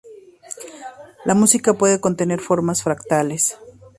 La música puede contener formas fractales.